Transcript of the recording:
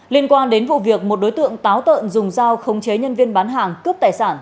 liên quan đến vụ việc một đối tượng táo tợn dùng dao khống chế nhân viên bán hàng cướp tài sản